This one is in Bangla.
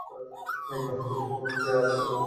এই গ্রহের প্রত্যেকটা মানুষ অকালে মরবে!